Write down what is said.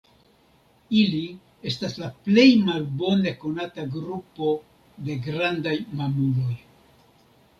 Ili estas la plej malbone konata grupo de grandaj mamuloj.